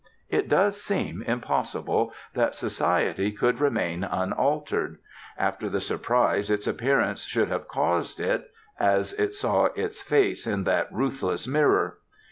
It does seem impossible that society could remain unaltered, after the surprise its appearance should have caused it as it saw its face in that ruthless mirror.